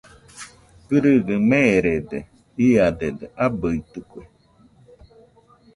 Kɨrɨgaɨ meerede, iadedɨ abɨitɨkue.